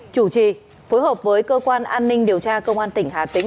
chủ trì phối hợp với cơ quan an ninh điều tra công an tỉnh hà tĩnh